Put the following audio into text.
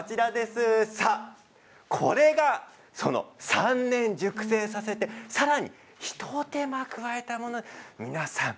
これが３年熟成させてさらに一手間、加えたものです。